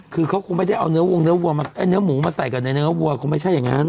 คือเขาคงไม่ได้เอาเนื้อหมูมาใส่กับเนื้อวัวคงไม่ใช่อย่างนั้น